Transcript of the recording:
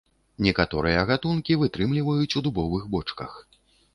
Некаторыя гатункі вытрымліваюць ў дубовых бочках.